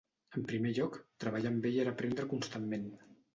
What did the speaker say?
En primer lloc, treballar amb ell era aprendre constantment.